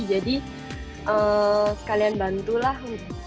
jadi sekalian bantulah